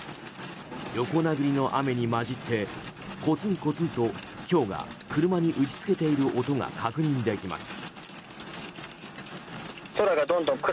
横殴りの雨に混じってこつんこつんとひょうが車に打ち付けている音が確認できます。